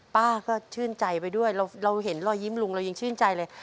ป้าก็ชื่นใจไปด้วยเราเห็นรอยยิ้มลุงเรายังชื่นใจเลย